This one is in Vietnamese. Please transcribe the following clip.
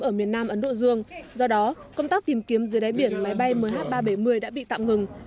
ở miền nam ấn độ dương do đó công tác tìm kiếm dưới đáy biển máy bay mh ba trăm bảy mươi đã bị tạm ngừng